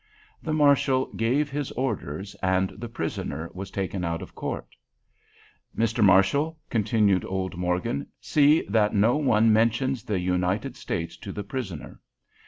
The marshal gave his orders and the prisoner was taken out of court. "Mr. Marshal," continued old Morgan, "see that no one mentions the United States to the prisoner.